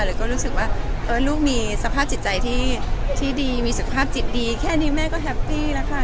แล้วก็รู้สึกว่าลูกมีสภาพจิตใจที่ดีมีสุขภาพจิตดีแค่นี้แม่ก็แฮปปี้แล้วค่ะ